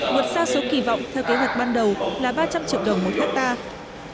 vượt xa số kỳ vọng theo kế hoạch ban đầu là ba trăm linh triệu đồng một hectare